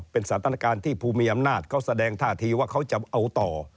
เป็นสถานการณ์ที่ผู้มีอำนาจเขาแสดงท่าทีว่าเขาจะเอาต่อ